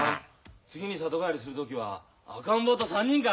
次に里帰りする時は赤ん坊と３人か？